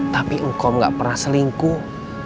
tapi engkau gak pernah selingkuh